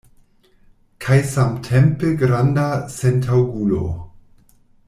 Kaj samtempe granda sentaŭgulo!